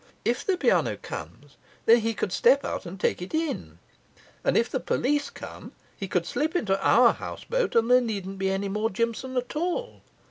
If the piano comes, then he could step out and take it in; and if the police come, he could slip into our houseboat, and there needn't be any more Jimson at all.